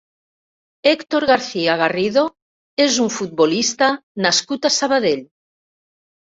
Héctor García Garrido és un futbolista nascut a Sabadell.